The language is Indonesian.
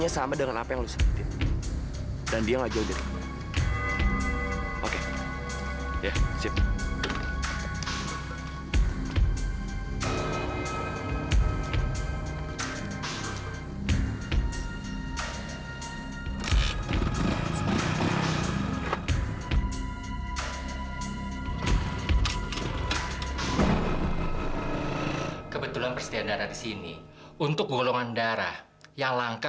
sampai jumpa di video selanjutnya